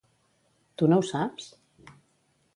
Tu no ho saps?